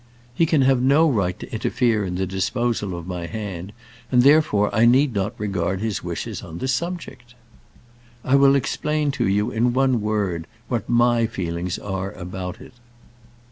He can have no right to interfere in the disposal of my hand, and therefore I need not regard his wishes on the subject. I will explain to you in one word what my feelings are about it.